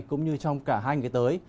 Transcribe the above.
cũng như trong cả hai ngày tới